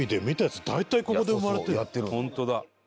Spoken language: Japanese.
ホントだ。